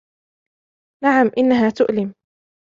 نعم, انها تؤلم.